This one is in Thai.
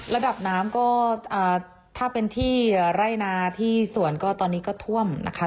ระดับน้ำก็ถ้าเป็นที่ไร่นาที่สวนก็ตอนนี้ก็ท่วมนะคะ